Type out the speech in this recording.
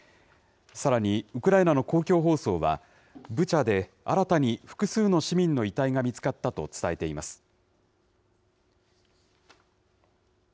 さらに、ウクライナの公共放送は、ブチャで新たに複数の市民の遺体が見つかったと伝えています。